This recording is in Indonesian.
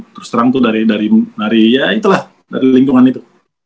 terus terang itu dari ya itulah dari lingkungan itu